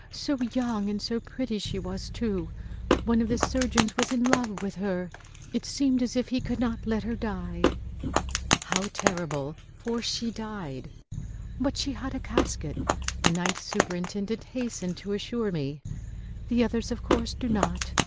"So young and so pretty she was, too! One of the surgeons was in love with her. It seemed as if he could not let her die." How terrible! For she died. "But she had a casket," the Night Superintendent hastened to assure me. "The others, of course, do not.